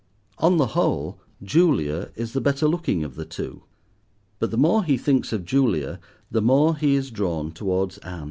On the whole, Julia is the better looking of the two. But the more he thinks of Julia, the more he is drawn towards Ann.